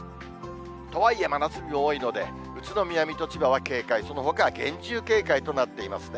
とはいえ、真夏日多いので、宇都宮、水戸、千葉は警戒、そのほかは厳重警戒となっていますね。